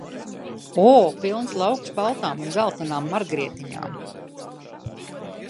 O, pilns lauks baltām un dzeltenām margrietiņām !